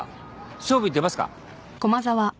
勝負に出ますか？